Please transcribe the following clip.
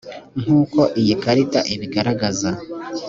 nk uko iyi karita ibigaragaza